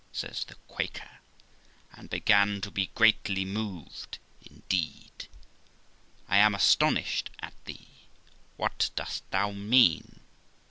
' says the Quaker, and began to be greatly moved indeed. 'I am astonished at thee: what dost thou mean?'